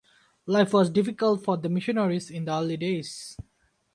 Life was difficult for the missionaries in the early days.